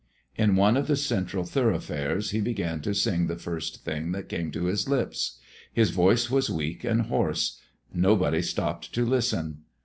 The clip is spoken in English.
In one of the central thoroughfares he began to sing the first thing that came to his lips. His voice was weak and hoarse. Nobody stopped to listen.